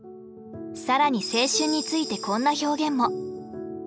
更に青春についてこんな表現も。